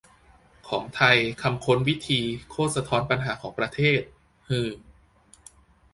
ของไทยคำค้น "วิธี" โคตรสะท้อนปัญหาของประเทศ ฮือ